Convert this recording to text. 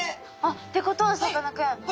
ってことはさかなクン